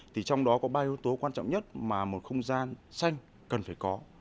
thì trong đó có ba yếu tố quan trọng nhất mà một không gian xanh cần phải có